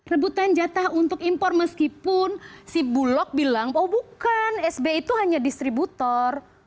rebutan jatah untuk impor meskipun si bulog bilang oh bukan sbi itu hanya distributor